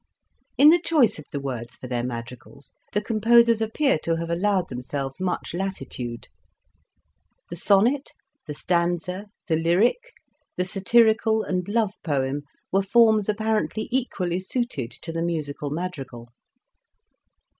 In the choice of the words for their madri gals the composers appear to have allowed themselves much latitude ; the sonnet, the stanza, the lyric, the satirical and love poem, were forms apparently equally suited to the musical madrigal.